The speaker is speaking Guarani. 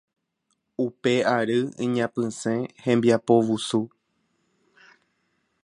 Upe ary iñapysẽ hembiapovusu